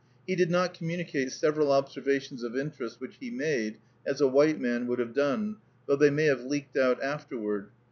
He did not communicate several observations of interest which he made, as a white man would have done, though they may have leaked out afterward.